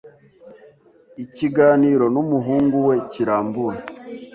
Ikiganiro n’umuhungu we kirambuye